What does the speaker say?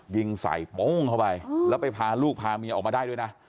ยิงใส่โป้งเข้าไปแล้วไปพาลูกพาเมียออกมาได้ด้วยนะ